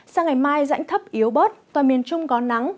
sáng ngày mai dãnh thấp yếu bớt toàn miền trung có nắng